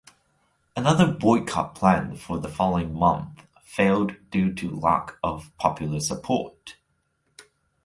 Another boycott planned for the following month failed due to lack of popular support.